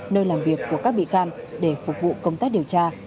nơi làm việc của các bị can để phục vụ công tác điều tra